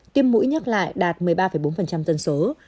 tiêm mũi nhắc lại đạt một mươi ba bốn dân số